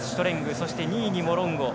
そして２位にモロンゴ。